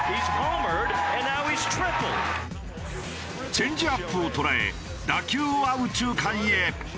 チェンジアップを捉え打球は右中間へ。